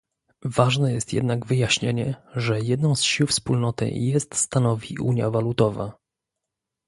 Ważne jest jednak wyjaśnienie, że jedną z sił Wspólnoty jest stanowi unia walutowa